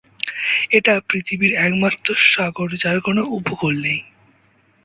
এটা পৃথিবীর একমাত্র 'সাগর' যার কোনো উপকূল নেই।